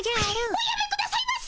おやめくださいませ！